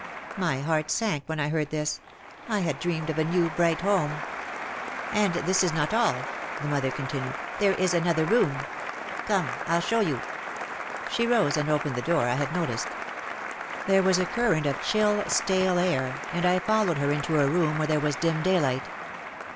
My heart sank when I heard this. I had dreamed of a new bright home. "And this is not all," the mother continued, "there is another room. Come, I'll show you." She rose and opened the door I had noticed. There was a current of chill, stale air and I followed her into a room where there was dim day light.